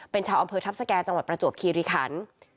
เป็นชาวอำเภอทัพสแก่จังหวัดประจวบคีริคัน